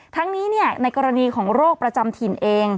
ทั้งนี้ในกรณีของโรคประจำถิ่นเอง